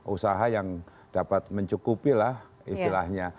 usaha yang dapat mencukupilah istilahnya